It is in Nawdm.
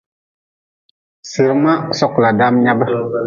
Sirma sKHkla daam nyab.